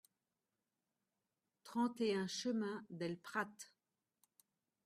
trente et un chemin del Prat